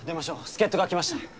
助っ人が来ました。